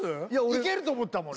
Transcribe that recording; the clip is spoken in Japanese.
いけると思ったもん